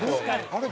あれ？